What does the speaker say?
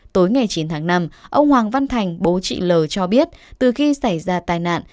tối ngày chín tháng năm ông hoàng văn thành bố chị l cho biết từ khi xảy ra tai nạn